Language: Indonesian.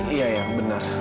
iya ya benar